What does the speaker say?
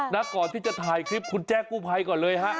ก่อนที่จะถ่ายคลิปคุณแจ้งกู้ภัยก่อนเลยฮะ